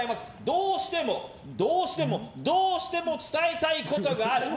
どうしてもどうしてもどうしても伝えたいことがある。